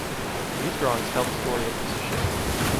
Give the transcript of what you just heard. These drawings tell the story of this ship.